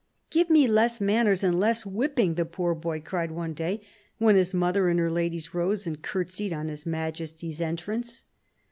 "Give me less manners and less whipping !" the poor boy cried one day, when his mother and her ladies rose and curtseyed on His Majesty's entrance.